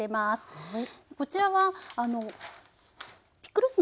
はい。